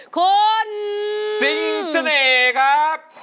คุณสิงเสน่ห์ครับ